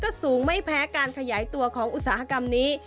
ก็สูงไม่แพ้การขยายตัวของอุตสาหกรรมนี้